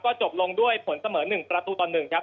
จบลงด้วยผลเสมอ๑ประตูต่อ๑ครับ